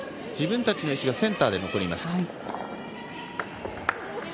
自分たちの石がセンターで残りました。